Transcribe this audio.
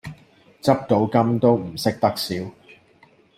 執到金都唔識得笑